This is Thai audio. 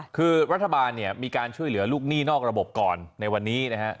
คือรัฐบาลเนี่ยมีการช่วยเหลือลูกหนี้นอกระบบก่อนในวันนี้นะฮะ